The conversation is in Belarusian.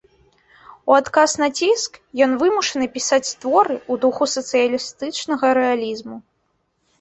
У адказ на ціск ён вымушаны пісаць творы ў духу сацыялістычнага рэалізму.